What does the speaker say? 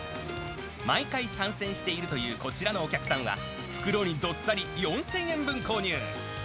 毎回参戦しているというこちらのお客さんは、袋にどっさり４０００円分購入。